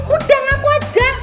udah ngaku aja